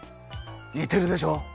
にてるでしょ？